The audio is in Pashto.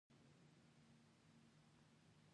هغوی خپل کلي ته د لویې لارې جوړولو لپاره کار کوي